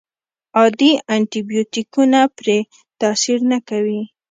عادي انټي بیوټیکونه پرې تاثیر نه کوي.